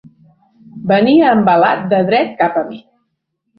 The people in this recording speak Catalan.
Venia embalat de dret cap a mi.